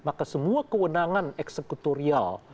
maka semua kewenangan eksekutorial